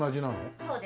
そうです。